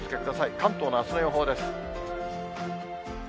関東のあすの予報です。